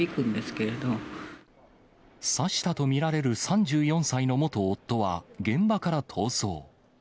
けれ刺したと見られる３４歳の元夫は、現場から逃走。